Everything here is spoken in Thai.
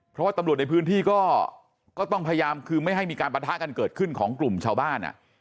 เพราะว่าตำรวจในพื้นที่ก็ต้องพยายามคือไม่ให้มีการปะทะกันเกิดขึ้นของกลุ่มชาวบ้าน